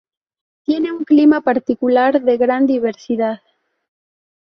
Tiene un clima particular de gran diversidad.